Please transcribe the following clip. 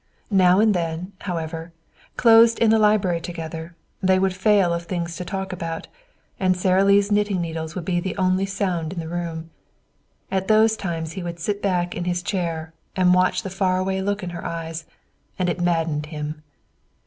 Now and then, however, closed in the library together, they would fail of things to talk about, and Sara Lee's knitting needles would be the only sound in the room. At those times he would sit back in his chair and watch the far away look in her eyes, and it maddened him.